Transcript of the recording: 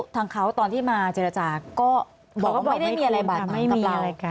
ทางเขาตอนที่มาเจรจาก็บอกว่าไม่ได้มีอะไรบาดหมางกับเรา